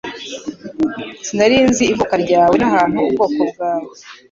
Sinari nzi ivuka ryawe n'ahantu ubwoko bwawe